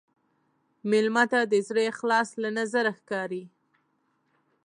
مېلمه ته د زړه اخلاص له نظره ښکاري.